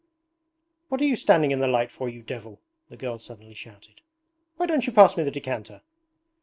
'What are you standing in the light for, you devil!' the girl suddenly shouted. 'Why don't you pass me the decanter!'